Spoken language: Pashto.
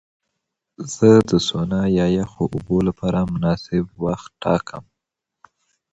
زه د سونا یا یخو اوبو لپاره مناسب وخت ټاکم.